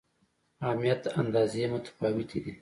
اهمیت اندازې متفاوتې دي.